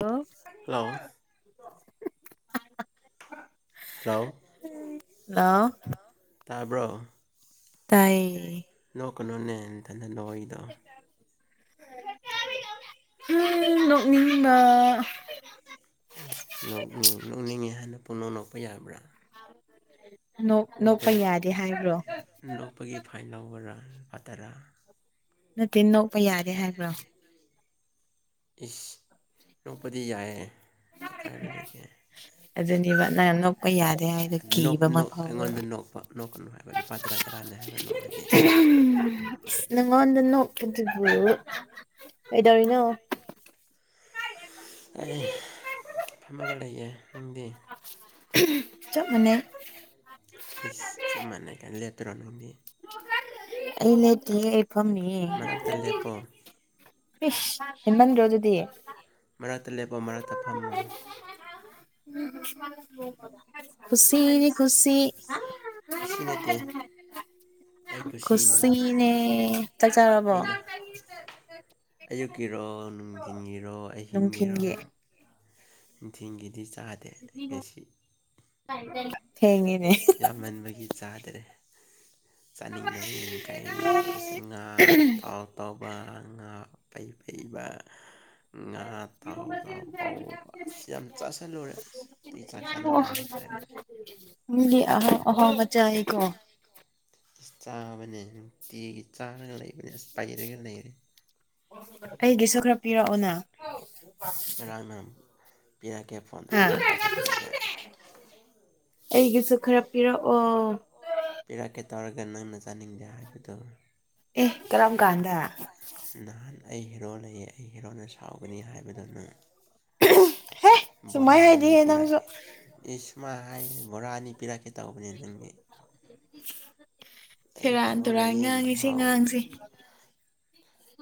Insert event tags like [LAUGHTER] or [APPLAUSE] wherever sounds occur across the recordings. Hello hello hello hello ꯇꯥꯕ꯭ꯔꯣ ꯇꯥꯏꯌꯦ ꯂꯣꯣꯛ ꯀꯅꯣꯅꯦꯇꯦ ꯅꯣꯏꯗ ꯎꯝ ꯅ ꯃꯤꯗ ꯏꯁ ꯅꯣꯛꯅꯤꯡ ꯅꯣꯛꯅꯤꯡꯉꯤ ꯍꯥꯏꯥꯟꯅ ꯄꯨꯅꯣꯛ ꯅꯣꯛꯄ ꯌꯥꯕ꯭ꯔꯥ ꯎꯝ ꯅꯄꯒꯤꯅꯣꯛꯄꯒꯤ ꯐꯥꯏ ꯅꯧꯕꯔꯥ ꯂꯨꯄꯥ ꯇꯔꯥ ꯅꯠꯇꯦ ꯅꯣꯛꯄ ꯌꯥꯔꯦ ꯍꯥꯏꯕ꯭ꯔꯣ ꯏꯁ ꯌꯣꯛꯄꯗꯤ ꯌꯥꯏꯑꯦ ꯀꯩꯀꯥꯏꯕ ꯂꯩꯒꯦ ꯑꯗꯨꯅꯦꯕ ꯅꯪ ꯅꯣꯛꯄ ꯌꯥꯗꯦ ꯍꯥꯏꯗꯣ ꯀꯤꯕ ꯑꯃ ꯐꯥꯎꯕ ꯑꯩꯉꯣꯟꯗ ꯅꯣꯛꯀꯅꯨ ꯍꯥꯏꯕ ꯂꯨꯄꯥ ꯇꯔꯥ ꯇꯔꯥꯅꯤ ꯍꯥꯏꯕ ꯅꯣꯛꯑꯗꯤ ꯎꯝ ꯅꯪꯉꯣꯟꯗ ꯅꯣꯛꯇ ꯀꯩꯗꯧꯔꯤꯅꯣ ꯑꯩ ꯐꯝꯃꯒ ꯂꯩꯌꯦꯦ ꯅꯪꯗꯤ ꯆꯞ ꯃꯅꯤ ꯥꯅꯥꯃꯤ ꯑꯩ ꯂꯩꯇꯦ ꯑꯩ ꯐꯝꯅꯤ ꯃꯔꯛꯇ ꯂꯦꯞꯄꯣ ꯏꯁ ꯍꯃꯟꯔꯣ ꯑꯗꯨꯗꯤ ꯇ ꯂꯦꯞꯄ ꯃꯔꯥꯡ ꯇꯛꯐꯝꯃ ꯎꯝ ꯃꯥ ꯈꯨꯁꯤ ꯅꯠꯇ ꯈꯁꯤꯅꯦ ꯆꯥꯛ ꯆꯥꯕꯣ ꯑꯩꯅ ꯑꯌꯨꯛꯀꯤꯔꯣ ꯅꯨꯡꯊꯤꯟꯒꯤꯔꯣ ꯑꯍꯤꯡꯒꯤ ꯊꯤꯟꯒꯦ ꯅꯤꯡꯊꯦꯡꯒꯤꯗꯤ ꯆꯥꯗꯦ ꯉꯁꯤ ꯊꯦꯡꯉꯦ꯫ ꯌꯥꯝꯃꯟꯕꯒꯤ ꯆꯥꯗ꯭ꯔꯦ꯫ ꯆꯥꯅꯤꯡꯗꯕ ꯌꯦꯡ ꯀꯩꯅꯣ ꯉꯥ ꯇꯥꯎ ꯇꯧꯕ꯫ ꯉꯥ ꯄꯩ ꯄꯩꯕ꯫ ꯉꯥ ꯇꯥꯎ ꯇꯥꯎ ꯄꯧꯕ ꯑꯁ ꯌꯥꯝ ꯆꯥꯁꯤꯜꯂꯨꯔꯦ ꯑꯗꯒꯤ ꯆꯥꯛ ꯆꯥꯅꯤꯡꯗꯕ ꯍꯥꯏꯇꯥꯔꯦ [UNINTELLIGIBLE] ꯑꯍꯥꯎ ꯑꯍꯥꯎꯕ ꯆꯥꯌꯦꯀꯣ꯫ ꯑꯁ ꯆꯥꯕꯅꯦ ꯅꯨꯡꯇꯤꯒꯤ ꯆꯥꯔꯒ ꯂꯩꯕꯅꯦ ꯑꯁ ꯄꯩꯔꯒ ꯂꯩꯔꯦ꯫ ꯑꯩꯒꯤꯁꯨ ꯈ꯭ꯔꯞ꯫ ꯉꯔꯡ ꯔꯝ꯫ ꯄꯤꯔꯛꯀꯦ ꯐꯣꯟ ꯍꯥ ꯇꯧꯔꯦ ꯅꯝꯕꯔ ꯈꯛꯇꯔꯒ꯫ ꯑꯩꯒꯤꯁꯨ ꯈꯔ ꯄꯤꯔꯛꯑꯣ꯫ ꯄꯤꯔꯛꯀꯦ ꯇꯧꯔꯒ ꯅꯪꯅ ꯆꯥꯅꯤꯡꯗꯦ ꯍꯥꯏꯕꯗꯨ꯫ ꯑꯦ ꯀꯔꯝ ꯀꯥꯟꯗ꯫ ꯅꯍꯥꯟ ꯑꯩ ꯍꯤꯔꯣ ꯂꯩꯌꯦ ꯑꯩ ꯍꯤꯔꯣꯅ ꯁꯥꯎꯒꯅꯤ ꯍꯥꯏꯕꯗꯣ ꯅꯪ꯫ ꯍꯦ ꯁꯨꯃꯥꯏꯅ ꯍꯥꯏꯗꯤꯍꯦ ꯅꯪꯁꯨ꯫ ꯁꯃ ꯍꯥꯏ ꯕꯣꯔꯥ ꯑꯅꯤ ꯄꯤꯔꯛꯀꯦ ꯇꯧꯕꯅꯦ ꯅꯪꯒꯤ꯫ ꯑꯩ ꯁꯦꯔꯥꯟ ꯍꯦꯔꯣ ꯇꯨꯔꯥꯟ ꯂꯩꯌꯦ ꯉꯥꯡꯉꯤꯁꯤ ꯁꯥꯎ ꯉꯥꯡꯁꯤ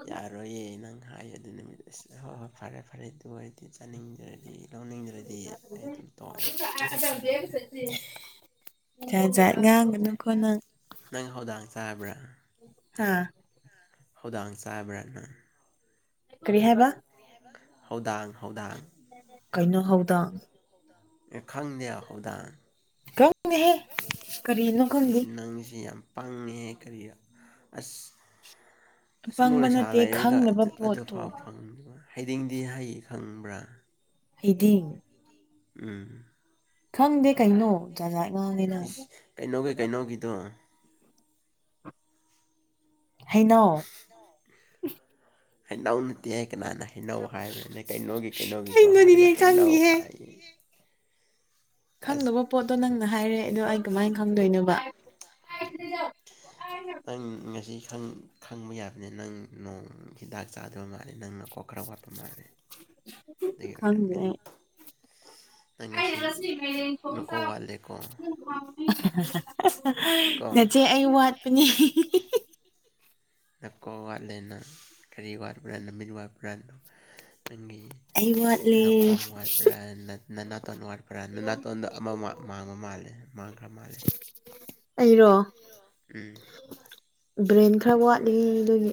ꯌꯥꯔꯣꯏꯌꯦ ꯅꯪ꯫ ꯍꯥꯏ ꯑꯗꯨ ꯅꯨꯃꯤꯠ ꯑꯁꯤꯗ ꯍꯣꯏ ꯍꯣꯏ ꯐꯔꯦ ꯐꯔꯦ ꯑꯗꯨ ꯑꯣꯏ꯫ ꯆꯥꯅꯤꯡꯗ꯭ꯔꯗꯤ ꯂꯧꯅꯤꯡꯗ꯭ꯔꯗꯤ ꯑꯩ ꯑꯗꯨꯝ ꯇꯣꯛꯑꯦ꯫ ꯥꯖꯥꯠ ꯖꯥꯠ ꯉꯥꯡꯒꯅꯨꯀꯣ ꯅꯪ꯫ ꯇꯥꯕ꯭ꯔꯥ꯫ ꯍꯥꯥ꯫ ꯊꯧꯗꯥꯡ ꯆꯥꯕ꯭ꯔꯅ꯫ ꯀꯔꯤ ꯍꯥꯏꯕ꯫ ꯍꯧꯗꯥꯡ ꯍꯧꯗꯥꯡ꯫ ꯀꯩꯅꯩꯅꯣ ꯍꯥꯎꯗꯥꯡ꯫ ꯑꯦ ꯈꯪꯗꯦ ꯍꯧꯗꯥꯡ꯫ ꯈꯡꯗꯦꯍꯦ ꯀꯔꯤꯅ ꯀꯪꯒꯤ꯫ ꯄꯥꯡꯉꯦꯍꯦ ꯀꯔꯤꯌꯥ ꯑꯁ꯫ ꯑꯁꯨꯝ ꯑꯄꯪꯕ ꯂꯩꯁꯥ ꯅꯠꯇꯦ ꯂꯩꯔꯒ ꯈꯪꯅꯕ ꯑꯗꯨꯐꯥꯎ ꯄꯣꯠꯇꯣ ꯐꯪꯗꯕ꯫ ꯍꯥꯏꯗꯤꯡꯗꯤ ꯍꯩ ꯈꯪꯕ꯭ꯔꯥ꯫ ꯍꯩꯗꯤꯡ꯫ ꯎꯝ꯫ ꯈꯪꯗꯦ ꯀꯩꯅꯣ ꯖꯥꯠ ꯖꯥꯠ ꯉꯥꯡꯉꯦ ꯅꯪ ꯏꯁ ꯀꯩꯅꯣꯒꯤ ꯀꯩꯅꯣꯒꯤꯗꯣ꯫ ꯍꯩꯅꯣ꯫ ꯍꯅꯧ ꯅꯠꯇꯦꯍꯦ꯫ ꯀꯅꯥꯅ ꯍꯩꯅꯧ ꯍꯥꯏꯕ꯭ꯔꯅꯦ ꯀꯩꯅꯣꯒꯤ ꯀꯩꯅꯣꯒꯤꯗꯣ ꯀꯩꯅꯣꯅꯤꯅꯦ ꯍꯥꯏꯔꯒ ꯍꯩꯅꯧ ꯈꯪꯗꯦꯍꯦ ꯍꯥꯏ ꯈꯪꯗꯕ ꯄꯣꯠꯇꯣ ꯅꯪꯅ ꯍꯥꯏꯔꯦ ꯑꯗꯣ ꯑꯩ ꯀꯃꯥꯏꯅ ꯈꯪꯗꯣꯏꯅꯣꯕ꯫ ꯅꯪ ꯉꯁꯤ ꯈꯪꯕ ꯌꯥꯕꯅꯦ ꯅꯪ ꯅꯣꯡ ꯍꯤꯗꯥꯛ ꯆꯥꯗꯕ ꯃꯥꯜꯂꯦ ꯅꯪꯅ꯫ ꯈꯔ ꯋꯥꯠꯄ ꯃꯥꯔꯦꯗꯒꯤ ꯈꯪꯗꯦ ꯑꯣꯏꯔꯝꯒꯅꯤ꯫ ꯑꯩ ꯅꯪ ꯉꯁꯤꯡ ꯅꯨꯀꯧ ꯋꯥꯠꯂꯦꯀꯣ꯫ ꯀꯣ ꯅꯆꯦ ꯑꯩ ꯋꯥꯠꯄꯅꯤ꯫ [INAUDIBLE] ꯅꯀꯣ ꯋꯥꯠꯂꯦꯅ ꯀꯔꯤ ꯋꯥꯠꯄ꯭ꯔꯥ ꯅꯨꯃꯤꯠ ꯋꯥꯠꯄ꯭ꯔꯥꯅꯣ꯫ ꯅꯪꯒꯤ ꯑꯩ ꯋꯥꯠꯂꯦ ꯅꯥꯀꯣꯡ ꯋꯥꯕ꯭ꯔꯥ ꯅꯅꯥꯇꯣꯟ ꯋꯥꯠ꯫ ꯄꯔ꯭ ꯅ ꯅꯥꯇꯣꯟꯗ ꯑꯃ ꯃꯥꯡꯕ ꯃꯥꯜꯂꯦ ꯃꯥꯡꯈ꯭ꯔ ꯃꯥꯜꯂꯦ꯫ ꯑꯩꯔꯣ꯫ ꯎꯝ꯫ ꯕ꯭ꯔꯦꯟ ꯈꯔ ꯋꯥꯠꯂꯤ ꯑꯗꯨꯒꯤ꯫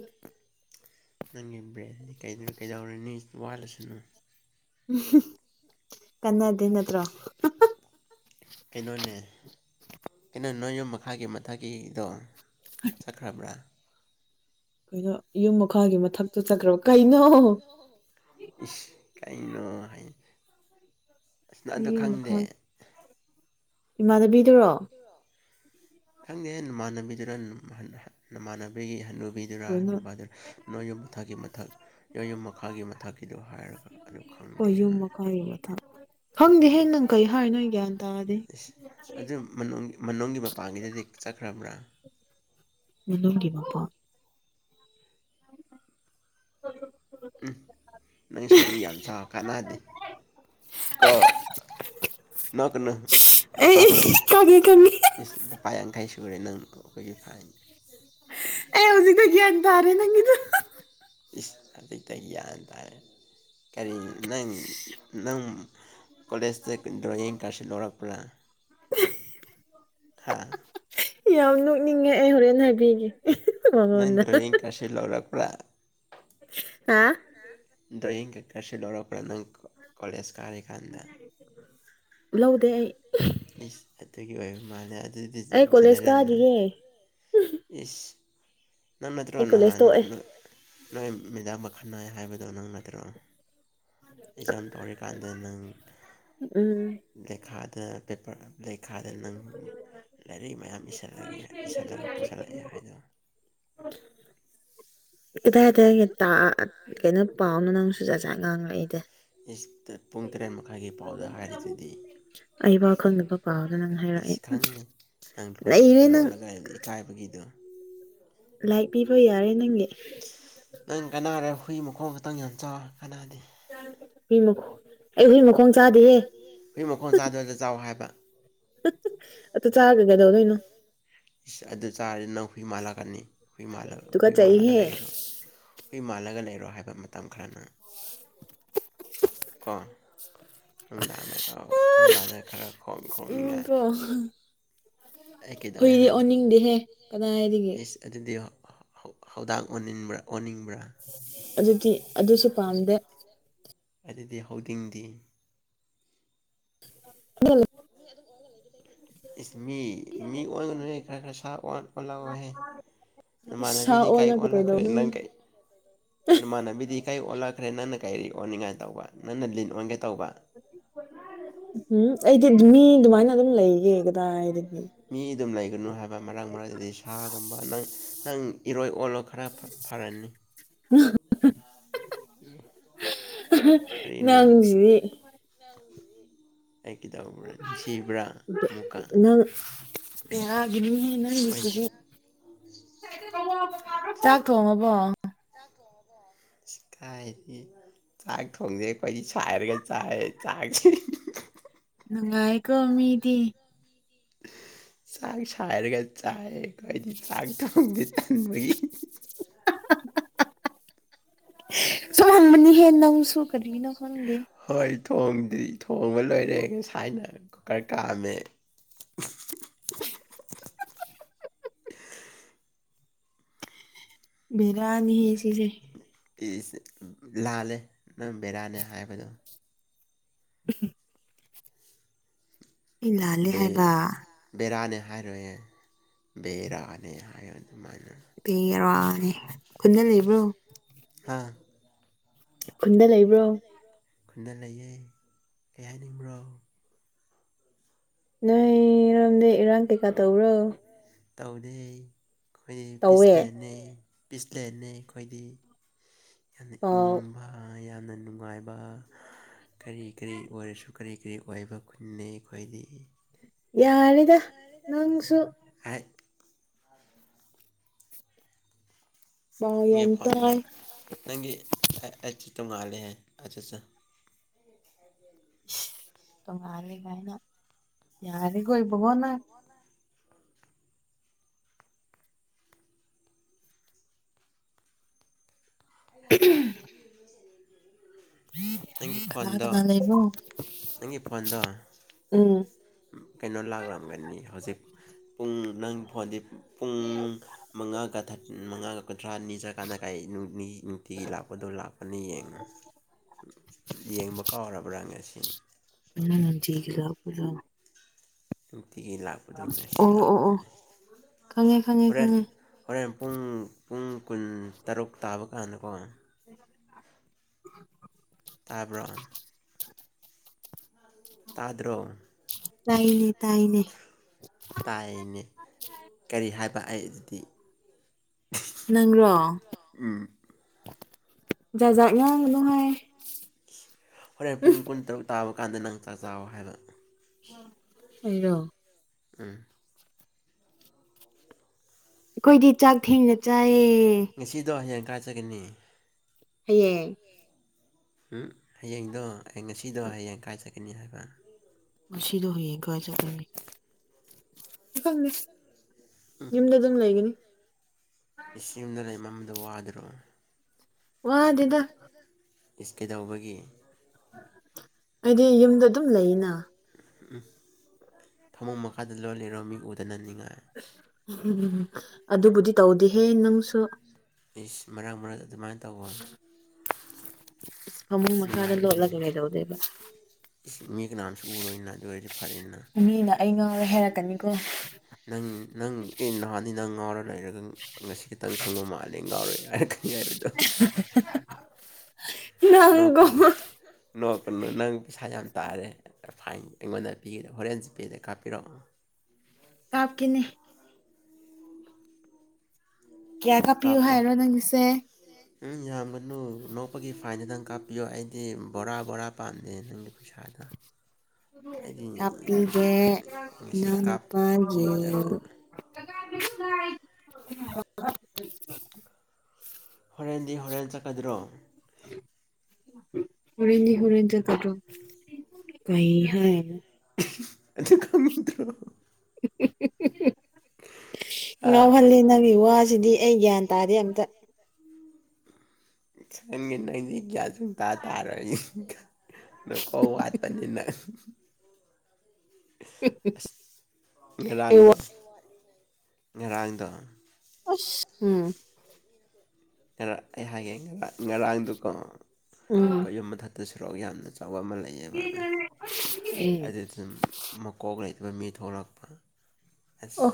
ꯅꯪꯒꯤ ꯕ꯭ꯔꯦꯟꯗꯤ ꯀꯩꯗꯧꯔꯅꯤ ꯋꯥꯠꯂꯁꯅꯨ꯫ ꯀꯟꯅꯗꯤ ꯅꯠꯇ꯭ꯔꯣ ꯀꯩꯅꯣꯅꯦ ꯀꯩꯅꯣ ꯅꯣꯏ ꯌꯨꯝ ꯃꯈꯥꯒꯤ ꯃꯊꯛꯀꯤꯗꯣ ꯁꯈ꯭ꯔꯥꯕ ꯀꯩꯅꯣ ꯌꯨꯝ ꯃꯈꯥꯒꯤ ꯃꯊꯛꯇ ꯆꯠꯈ꯭ꯔꯕꯣ ꯀꯩꯅꯣ ꯏꯁ ꯀꯩꯅꯣ ꯍꯥꯏ ꯑꯁꯅ ꯑ ꯌꯨꯝ ꯃꯈꯥ ꯈꯪꯗꯦ ꯏꯃꯥꯟꯅꯕꯤꯗꯨꯔꯣ ꯈꯪꯗꯦ ꯅꯃꯥꯟꯅꯕꯤꯗꯨꯅ ꯅꯃꯥꯟꯅꯕꯤꯒꯤ ꯍ ꯀꯩꯅꯣ ꯈꯕꯤꯗꯨꯔꯥꯗꯨ ꯅ ꯌꯨꯝ ꯃꯊꯛꯀꯤ ꯃꯊꯛ ꯌꯌꯨꯝ ꯃꯈꯥꯒꯤ ꯃꯊꯛꯀꯤꯗꯣ ꯍꯥꯏꯔꯒ ꯑꯗꯨ ꯈꯪꯗꯦ ꯈꫭꯏ ꯌꯨꯝ ꯍꯥꯏ ꯃꯈꯥꯒꯤ ꯃꯊꯛ ꯑꯩ ꯅꯪ ꯀꯩ ꯍꯥꯏꯅꫭ ꯑꯩ ꯒꯌꯥꯟ ꯇꯗꯤ ꯏꯁ ꯑꯗꯨ ꯃꯅꯨꯡ ꯃꯅꯨꯡꯒꯤ ꯃꯄꯥꯟꯒꯤꯗꯗꯤ ꯆꯠꯈ꯭ꯔꯕ꯭ꯔꯥ [INAUDIBLE] ꯍꯥ ꯎꯝ ꯅꯪ ꯁꯧꯒꯔꯤ ꯌꯥꯝꯆꯥ ꯀꯥꯟꯅꯗꯤ ꯀꫭ ꯅꫭꯛꯀꯥꯅꯨ ꯑꯩ ꯈꯪꯉꯦ ꯈꯪꯉꯦ ꯄꯣꯏ ꯄꯥꯏꯡ ꯀꯩ ꯁꯨꯔꯔꯦ ꯅꯪꯅ ꯑꯩꯈꯣꯏꯒꯤ ꯐꯥꯏ ꯑꯩ ꯍꯧꯖꯤꯛꯗ ꯒ ꯭ꯌꯥꯟ ꯇꯥꯔꯦ ꯅꯪꯒꯤꯗ ꯏꯁ ꯑꯇꯒꯤꯌꯥ ꯇꯥꯔꯦ ꯀꯔꯤ ꯅꯪ ꯅꯪ ꯀꯣꯂꯦꯖꯇ ꯗ꯭ꯔꯣꯌꯤꯡ ꯀꯥꯔꯁꯨ ꯂꯧꯔꯛꯄ꯭ꯔꯥ [UNINTELLIGIBLE] ꯍꯥꯥ ꯌꯥꯝ ꯅꯣꯛꯅꯤꯡꯉꯦ ꯑꯩ ꯍꯣꯔꯦꯟ ꯍꯥꯏꯕꯤꯒꯦ ꯅꯪ ꯃꯉꯣꯟꯗ ꯗ꯭ꯔꯣꯏꯡ ꯀꯂꯥꯖ ꯂꯧꯔꯛꯄꯥ ꯑꯥ ꯗ꯭ꯔꯣꯌꯤꯡ ꯀꯩ ꯀꯔꯁꯤ ꯂꯧꯧꯔꯛꯄ ꯅꯪ ꯀꯣꯂꯦꯖ ꯀꯥꯔꯔꯤ ꯀꯥꯟꯗ ꯂꯧꯗꯦ ꯑꯩ ꯏꯁ ꯑꯗꯨꯒꯤ ꯑꯣꯏꯕ ꯃꯥꯜꯂꯦ ꯑꯗꯨꯗꯤ ꯑꯩ ꯀꯣꯂꯦꯖ ꯖꯦꯅꯦꯔꯟꯅꯔ ꯀꯥꯗꯤꯌꯦ ꯏꯁ ꯅꯪ ꯅꯠꯇ꯭ꯔꯣ ꯑꯩ ꯀꯣꯂꯦꯖ ꯅꯍꯥꯟ ꯇꯣꯛꯑꯦ ꯅꯣꯏ ꯃꯦꯗꯥꯝꯒꯥ ꯈꯠꯅꯩ ꯍꯥꯏꯕꯗꯣ ꯅꯪ ꯅꯠꯇ꯭ꯔꯣ ꯑꯦꯛꯖꯥꯝ ꯇꯧꯔꯤꯀꯥꯟꯗ ꯅꯪ ꯎꯝ ꯂꯩꯈꯥꯗ ꯄꯦꯄꯔ ꯂꯩꯈꯥꯗ ꯅꯪ ꯂꯥꯏꯔꯤꯛ ꯃꯌꯥꯝꯂꯒꯦ ꯏꯜꯂꯒ ꯄꯨꯁꯤꯜꯂꯛꯑꯦ ꯍꯥꯏꯗꯅ ꯑꯣ ꯀꯗꯥꯏ ꯀꯗꯥꯏꯒ ꯀꯩꯅꯣ ꯄꯥꯎꯅꯣ ꯅꯪꯁꯨꯨ ꯖꯥꯠꯖꯠ ꯉꯥꯡꯂꯛꯏꯗ ꯏꯁ ꯄꯨꯡ ꯇꯔꯦꯠ ꯃꯈꯥꯏꯒꯤ ꯄꯥꯎꯗ ꯍꯥꯏꯔꯤꯁꯤ ꯑꯩ ꯋꯥꯈꯜꯅꯕ ꯄꯥꯕꯒ ꯅꯪ ꯍꯥꯏꯔꯛꯑꯦ ꯏꯁ ꯎ ꯈꯪꯉꯦ ꯅꯪ ꯂꯣꯜꯂꯒ ꯏꯀꯥꯏꯕꯒꯤꯗꯣ ꯂꯥꯏꯛ ꯄꯤꯕ ꯌꯥꯔꯦ ꯅꯪꯒꯤ ꯅꯪ ꯀꯅꯥꯔꯦ ꯍꯨꯏ ꯃꯈꯣꯡ ꯈꯛꯇꯪ ꯌꯥꯝ ꯆꯥꯎꯦ ꯀꯅꯥꯗꯤ ꯍꯃ ꯑꯦ ꯍꯃ ꯍꯣꯏ ꯃꯈꯣꯡ ꯆꯥꯗꯕꯗ ꯆꯥꯎ ꯍꯥꯏꯕ [UNINTELLIGIBLE] ꯀꯩꯗꯧꯗꯣꯏꯅꯣ ꯏꯁ ꯑꯗꯨ ꯆꯥꯔꯗꯤ ꯅꯪ ꯍꯨꯏ ꯃꯥꯜꯂꯛꯀꯅꯤ ꯍꯨꯏ ꯍꯨꯏ ꯃꯥꯜꯂꯒ ꯇꯨꯀꯠꯆꯩꯍꯦ ꯂꯩꯔꯣ ꯍꯨꯏ ꯃꯥꯜꯂꯒ ꯂꯩꯔꯣ ꯍꯥꯏ ꯍꯥꯏꯕ ꯃꯇꯝ ꯈꯔꯅ ꯅꯨꯡꯗꯥꯡ ꯅꯨꯡꯗꯥꯡꯅ ꯈꯔ ꯎꯝ ꯈꯣꯛꯅꯤꯡꯉꯥꯏ ꯀꯣ ꯍꯨꯏꯗꯤ ꯑꯣꯟꯅꯤꯡꯗꯦꯍꯦ ꯀꯅꯥꯔꯤꯒꯦ ꯍꯧꯗꫭꯡ ꯑꯣꯅꯤꯡꯕ꯭ꯔ ꯑꯣꯟꯅꯤꯡꯕ꯭ꯔꯥ ꯑꯗꯨꯗꯤ ꯑꯗꯨꯁꯨ ꯄꯥꯝꯗꯦ ꯑꯗꯨꯗꯤ ꯍꯧꯗꯤꯡꯗꯤ ꯍꯣ ꯏꯁ ꯃꯤ ꯃꯤ ꯑꯣꯟꯒꯅꯨꯍ ꯈꯔ ꯈꯔ ꯁꯥ ꯑꯣꯟꯂꯛꯑꯣꯍꯦ ꯁꯥ ꯅꯃꯥꯟꯅꯕꯤꯗꯤ ꯀꯥꯏ ꯑꯣꯜꯂꯒ ꯑꯣꯜꯂꯛꯈ꯭ꯔꯦ ꯅꯪ ꯀꯩꯗꯧꯗꯣꯏꯅꯣ ꯅꯃꯥꯟꯅꯕꯤꯗꯤ ꯀꯥꯏ ꯑꯣꯜꯂꯛꯈ꯭ꯔꯦ ꯆꯠꯈ꯭ꯔꯦ ꯅꯪꯅ ꯀꯩ ꯑꯣꯟꯅꯤꯡꯉꯥꯏ ꯇꯧꯕ ꯅꯪꯅ ꯂꯤꯟ ꯑꯣꯟꯒꯦ ꯇꯧꯕ ꯎꯝ ꯑꯩ ꯃꯤ ꯑꯗꯨꯃꯥꯏꯅ ꯑꯗꯨꯝ ꯂꯩꯒꯦ ꯀꯗꯥꯏꯗꯒꯤ ꯃꯤ ꯑꯗꯨꯝ ꯂꯩꯒꯅꯨ ꯍꯥꯏꯕ ꯃꯔꯥꯡ ꯃꯔꯥꯏꯗꯤ ꯁꯥꯒꯨꯝꯕ ꯅꯪ ꯅꯪ ꯏꯔꯣꯏ ꯑꯣꯜꯂꯣ ꯈꯔ ꯐꯔꯅꯤ ꯀꯔꯤꯅꯣ ꯅꯪꯁꯤꯗꯤ ꯑꯩ ꯀꯩꯗꯧꯕ꯭ꯔꯥ ꯅꯨꯡꯁꯤꯕ꯭ꯔꯥ ꯑꯃꯨꯛꯀ ꯄꯒꯅꯤꯅ ꯀ ꯑꯩ ꯇꯥꯛꯀꯣ ꯃꯕꯣ [INAUDIBLE] ꯆꯀꯥꯏꯗꯤ ꯆꯥꯛ ꯊꯣꯡꯁꯩ ꯑꯩꯈꯣꯏꯗꯤ ꯁꯥꯏꯔꯒ ꯆꯥꯏ ꯆꯥꯛꯁꯤ ꯅꯨꯡ ꯉꯥꯏ ꯀꯣꯃꯤꯗꯤ ꯆꯥꯛ ꯁꯥꯏꯔꯒ ꯆꯥꯏ ꯑꯩꯗꯤ ꯆꯥꯛ ꯊꯣꯡꯗꯤ ꯆꯟꯕꯒꯤ ꯁꯃꯕꯅꯤ ꯍꯦꯅꯁꯨꯣ ꯀꯔꯤꯅ ꯐꯟꯗ ꯍꯣꯏ ꯊꯣꯡꯗ꯭ꯔꯤ ꯊꯣꯡꯉ ꯂꯣꯏꯔꯦꯒ ꯁꯥꯏꯅ ꯀꯀꯔ ꯀꯑꯃꯦ ꯦꯗꯥꯅꯤ ꯍ ꯆꯁꯦ ꯂꯥꯜꯂꯦ ꯅꯪ ꯕꯦꯔꯥꯅꯦ ꯍꯥꯏꯕꯗꯣ ꯎꯝ ꯂꯥꯜꯂꯦ ꯍꯥꯏꯕ ꯕꯦꯔꯥꯅꯦ ꯍꯥꯏꯔꯌꯦꯦ ꯕꯦꯔꯥꯅꯦ ꯍꯥꯏꯌꯣ ꯑꯗꯨꯃꯥꯏꯅ ꯄ ꯋꯥꯅꯦ ꯈꯨꯟꯅ ꯂꯩꯕ꯭ꯔꯣ ꯍꯥꯥ ꯈꯨꯟꯗ ꯂꯩꯕ꯭ꯔꯣ ꯈꯨꯟꯅ ꯂꯩꯌꯦ ꯀꯩ ꯍꯥꯏꯅꯤꯡꯕ꯭ꯔꯣ ꯅꯣꯏ ꯔꯝꯗꯦ ꯔꯪꯀꯦꯀꯥ ꯇꯧꯔꯣ ꯇꯧꯗꯦ ꯑꯩꯈꯣꯏꯅ ꯄꯤꯁꯂꯅꯤ ꯄꯤꯁꯂꯦꯟꯅꯤ ꯑꯩꯈꯣꯏꯗꯤ ꯌꯥꯝꯅ ꯑ ꯏꯪꯕ ꯌꯥꯝꯅ ꯅꯨꯡꯉꯥꯏꯕ ꯀꯔꯤ ꯀꯔꯤ ꯑꯣꯏꯔꯁꯨ ꯀꯔꯤ ꯀꯔꯤ ꯑꯣꯏꯕ ꯈꯨꯅꯤꯩ ꯑꯩꯈꯣꯏꯗꯤ ꯌꯥꯅꯤꯗ ꯅꯪ ꯍꯥꯏ ꯄꯥꯎ ꯌꯥꯝ ꯐꯣꯟꯗꯣ ꯇꯥꯏ ꯅꯪꯒꯤ ꯑꯩ ꯇꯣꯡꯉꯥꯜꯂꯦꯍ ꯑꯠ ꯑꯠꯆꯥ ꯇꯣꯉꯥꯂꯦ ꯀꯥꯏꯅ ꯌꯥꯔꯦ ꯀꯣꯏꯕꯕꯣꯅ [INAUDIBLE] ꯅꯪꯒꯤ ꯐꯣꯟꯗꯣ ꯅꯥꯒꯅꯥ ꯂꯩꯕꯣ ꯅꯪꯒꯤ ꯐꯣꯟꯗꯣ ꯎꯝ ꯀꯩꯅꯣ ꯂꯥꯛꯂꯝꯝꯒꯅꯤ ꯍꯧꯖꯤꯛ ꯄꯨꯡ ꯅꯪ ꯐꯣꯟꯗꯤ ꯄꯨꯡ ꯃꯉꯥꯒ ꯃꯉꯥꯒ ꯀꯨꯟꯊ꯭ꯔꯥꯅꯤ ꯆꯠꯀꯥꯟꯗ ꯀꯥꯏ ꯅꯨꯡꯇꯤꯒꯤ ꯂꯥꯛꯄꯗꯣ ꯂꯥꯛꯄꯅ ꯌꯦꯡꯉꯨ ꯌꯦꯡꯕ ꯀꯥꯎꯔꯕ꯭ꯔꯥ ꯉ ꯑꯁꯤ ꯑ ꯊꯒ ꯂꯣ ꯑꯤꯗꯒꯤ ꯂꯥꯛꯄꯗꯧꯅꯦ ꯁꯤ ꯑꯣ ꯑꯣ ꯑꯣ ꯂꯥꯛꯄꯗꯨꯅꯤ ꯈꯪꯉꯦ ꯈꯪꯉꯦ ꯍꯣꯔꯦꯟ ꯈꯪꯉꯦ ꯍꯣꯔꯦꯟ ꯄꯨꯡ ꯄꯨꯡ ꯀꯨꯟ ꯇꯔꯨꯛ ꯇꯥꯕ ꯀꯥꯟꯗꯀꯣ [INAUDIBLE] ꯇꯥꯕꯔ ꯑꯥꯗ꯭ꯔꯣ ꯇꯥꯏꯅꯦ ꯇꯥꯏꯅꯦ ꯇꯥꯏꯅꯦ ꯀꯔꯤ ꯍꯥꯏꯕ ꯑꯩ ꯑꯗꯨꯗꯤ ꯅꯪꯔꯣ ꯎꯝ ꯖꯥꯖꯠ ꯉꯥꯡꯒꯅꯨ ꯍꯥꯏ ꯍꯣꯔꯦꯟ ꯄꯨꯡ ꯀꯨꯟ ꯇꯔꯨꯛ ꯇꯥꯕ ꯀꯥꯟꯗ ꯅꯪ ꯆꯥꯛ ꯆꯥꯋꯣ ꯍꯥꯏꯕ ꯑꯩꯔꯣ ꯎꯝ ꯑꯩꯈꯣꯏꯗꯤ ꯆꯥꯛ ꯊꯦꯡꯅ ꯆꯥꯏꯌꯦ ꯀꯔꯥꯏ ꯆꯠꯀꯅꯤ ꯍꯌꯦꯡ ꯎꯝ ꯍꯌꯦꯡꯗꯣ ꯑꯩ ꯉꯁꯤꯗꯣ ꯍꯌꯦꯡ ꯀꯔꯥꯏ ꯆꯠꯀꯅꯤ ꯍꯥꯏꯕ ꯉꯁꯤꯗꯣ ꯍꯌꯦꯡ ꯀꯔꯥꯏ ꯆꯠꯀꯅꯤ ꯑꯩ ꯈꯪꯗꯦ ꯌꯨꯝꯗ ꯑꯗꯨꯝ ꯂꯩꯒꯅꯤ ꯆꯤꯡꯗ ꯂꯩ ꯃꯟꯕꯗꯣ ꯋꯥꯗꯔꯣ ꯋꯥꯗꯦꯗ ꯏꯁ ꯀꯩꯗꯧꯕꯒꯤ ꯑꯩꯗꯤ ꯌꯨꯝꯗ ꯑꯗꯨꯝ ꯂꯩꯅ ꯎꯝ ꯐꯃꯨꯡ ꯃꯈꯥꯗ ꯂꯣꯠꯂꯩꯔꯣ ꯃꯤ ꯎꯗꯅꯅꯤꯡꯉꯥꯏ ꯎ ꯎꯝ ꯎꯝ ꯑꯗꯨꯕꯨꯗꯤ ꯇꯧꯗꯤꯍꯦ ꯅꯪꯁꯨ ꯏꯁ ꯃꯔꯛ ꯃꯔꯛ ꯑꯗꯨꯃꯥꯏꯅ ꯇꯧꯕ ꯐꯃꯨꯡ ꯃꯈꯥꯗ ꯅꯨꯡꯉꯥꯏꯕꯅꯦ ꯂꯣꯠꯂꯒ ꯀꯩꯗꯧꯗꯣꯏꯕ ꯃꯤ ꯀꯅꯥꯝꯁꯨ ꯎꯔꯣꯏꯅ ꯑꯗꯨ ꯑꯣꯏꯔꯗꯤ ꯐꯔꯦꯅꯥ ꯃꯤꯅ ꯑꯩ ꯉꯥꯎꯔꯦ ꯍꯥꯏꯔꯛꯀꯅꯤꯀꯣ ꯅꯪ ꯅꯪ ꯑꯦ ꯅꯍꯥꯟꯗꯩ ꯅꯪ ꯉꯥꯎꯔ ꯂꯩꯔꯒ ꯉꯁꯤ ꯈꯇꯪ ꯈꯪꯕ ꯃꯥꯜꯂꯦ ꯑꯩ ꯉꯥꯎꯔꯦ ꯍꯥꯏꯔꯛꯀꯅꯤ ꯍꯥꯏꯕꯗꯣ ꯅꯪꯀꯣ ꯅꯛꯀꯅꯨ ꯅꯣꯛꯀꯅꯨ ꯅꯪ ꯄꯩꯁꯥ ꯌꯥꯝ ꯇꯥꯔꯦ ꯐꯥꯏꯟ ꯑꯩꯉꯣꯟꯗ ꯄꯤꯒꯗꯕ ꯍꯣꯔꯦꯟ ꯄꯦꯗ ꯀꯥꯞꯄꯤꯔꯛꯑꯣ ꯀꯥꯞꯀꯦꯅꯦ ꯀꯌꯥ ꯀꯥꯞꯄꯤꯌꯨ ꯀꯥꯞꯀꯦ ꯍꯥꯏꯔꯣ ꯅꯪꯒꯤꯁꯦ ꯎꯝ ꯌꯥꯝꯒꯅꯨ ꯅꯣꯛꯄꯒꯤ ꯐꯥꯏꯟꯗꯨꯗꯪ ꯀꯥꯞꯄꯤꯌꯣ ꯑꯩꯗꯤ ꯕꯣꯔꯥ ꯕꯣꯔꯥ ꯄꯥꯝꯗꯦ ꯅꯪꯒꯤ ꯄꯩꯁꯥꯗꯣ [UNINTELLIGIBLE] ꯑꯩꯗꯤ ꯀꯥꯄꯤꯒꯦ ꯉꯁꯤ ꯏꯅꯥꯎꯅꯨꯄꯥꯒꯤ ꯀꯥꯞꯄꯤꯒꯗꯕ [UNINTELLIGIBLE] ꯍꯣꯔꯦꯟꯗꯤ ꯍꯣꯔꯦꯟ ꯆꯠꯀꯗ꯭ꯔꯣ ꯍꯔꯦꯟꯗꯤ ꯍꯔꯦꯟ ꯆꯠꯀꯗ꯭ꯔꯣ ꯀꯩ ꯍꯥꯏꯅꯣ ꯑꯗꯨ ꯈꯪꯗ꯭ꯔꯣ ꯍꯍ ꯍ ꯑꯥ ꯉꯥꯎꯍꯜꯂꯤ ꯅꯪꯒꯤ ꯋꯥꯁꯤꯗꯤ ꯑꯩ ꯒ꯭ꯌꯥꯟ ꯇꯥꯗꯦ ꯑꯝꯇ [UNINTELLIGIBLE] ꯁꯨꯡꯇꯥ ꯇꯥꯔꯣꯏ ꯅꯀꯣꯛ ꯋꯥꯠꯄꯅꯤꯅ ꯑꯩ ꯉꯔꯥꯡꯗꯣ ꯉꯔꯥꯡꯗꯣ ꯁꯁ ꯎꯝ ꯉꯔꯥꯡ ꯑꯩ ꯍꯥꯏꯒꯦ ꯉꯔꯥ ꯉꯔꯥꯡꯗꯨꯀꯣ ꯎꯝ ꯈꯣꯏ ꯌꯨꯝ ꯃꯊꯛꯇ ꯁꯨꯔꯛꯑ ꯌꯥꯝꯅ ꯆ ꯑꯆꯧꯕ ꯑꯃ ꯂꯩꯌꯦꯕ ꯎꯝ ꯑꯗꯨ ꯑꯗꯨꯝ ꯃꯀꯣꯛ ꯂꯩꯇ ꯑꯗ ꯃꯤ ꯊꯣꯛꯂꯛꯄ ꯑꯁ ꯑꯣ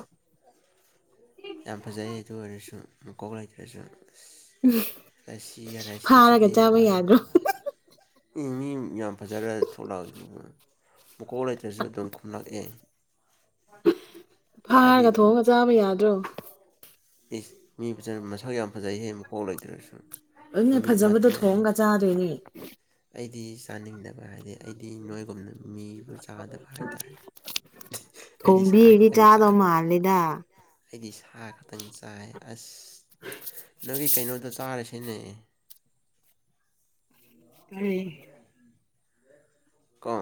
ꯌꯥꯝ ꯐꯖꯩ ꯑꯗꯨ ꯑꯣꯏꯔꯁꯨ ꯃꯀꯣꯛ ꯂꯩꯇ꯭ꯔꯁꯨ ꯎꯝ ꯔꯁꯤꯒ ꯐꯥꯔꯒ ꯆꯥꯕ ꯌꯥꯗ꯭ꯔꯣ ꯃꯤ ꯃꯤ ꯌꯥꯝ ꯐꯖꯔ ꯊꯣꯛꯂꯛꯏꯗꯨꯕꯨ ꯃꯀꯣꯛ ꯂꯩꯇ꯭ꯔꯁꯨ ꯑꯗꯨꯝ ꯈꯨꯝꯂꯛꯑꯦ ꯐꯥꯔꯒ ꯊꯣꯡꯑꯒ ꯆꯥꯕ ꯌꯥꯗ꯭ꯔꯣ ꯏꯖ ꯃꯤ ꯃꯁꯥ ꯃꯁꯛ ꯌꯥꯝ ꯐꯖꯩꯍꯦ ꯃꯈꯀꯣꯛ ꯂꯩꯇ꯭ꯔꯁꯨ ꯑꯗꯨꯅꯦ ꯃꯃꯤ ꯑꯃ ꯐꯖꯕꯗꯣ ꯊꯣꯡꯑꯒ ꯆꯥꯗꯣꯏꯅꯦ ꯗꯤ ꯆꯥꯅꯤꯡꯗꯕ ꯍꯥꯏꯗꯤ ꯑꯩꯗꯤ ꯅꯣꯏꯒꯨꯝꯅ ꯃꯤꯕꯨ ꯆꯥꯗꯕ ꯍꯥꯏꯇꯥꯔꯦ ꯑꯩꯗꯤ ꯁꯥ ꯈ ꯆꯥꯗ ꯃꯥ ꯂꯤꯗ ꯑꯩꯗꯤ ꯁꯥ ꯈꯛꯇꯪ ꯆꯥꯏ ꯑꯁ ꯅꯣꯏꯒꯤ ꯀꯩꯅꯣꯗ ꯆꯔꯦ ꯁꯅꯦ ꯑꯩ ꯀ